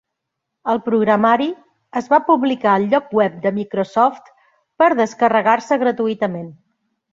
El programari es va publicar al lloc web de Microsoft per descarregar-se gratuïtament.